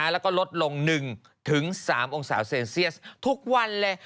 แล้วก็ลดลง๑๓องศาเซลเซียสทุกวันเลย